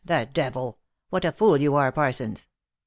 — the devil! What a fool you are, Parsons!